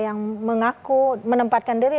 yang mengaku menempatkan diri